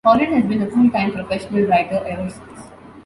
Holland has been a full-time professional writer ever since.